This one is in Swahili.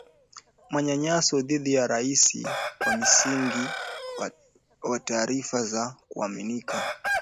manyanyaso dhidi ya raia kwa msingi wa taarifa za kuaminika